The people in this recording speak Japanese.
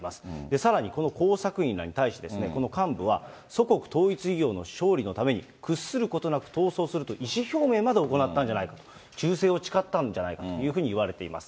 さらに、この工作員らに対してこの幹部は、祖国統一偉業の勝利のために屈することなく闘争すると意思表明まで行ったんじゃないかと、忠誠を誓ったんじゃないかというふうにいわれています。